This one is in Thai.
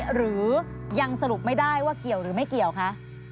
หรือยังสรุปไม่ได้ว่าเกี่ยวหรือไม่เกี่ยวคะ